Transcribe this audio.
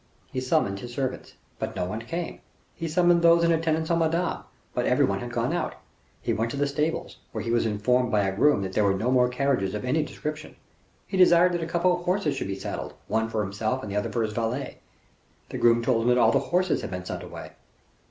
He summoned his servants, but no one came. He summoned those in attendance on Madame, but everybody had gone out. He went to the stables, where he was informed by a groom that there were no carriages of any description. He desired that a couple of horses should be saddled, one for himself and the other for his valet. The groom told him that all the horses had been sent away.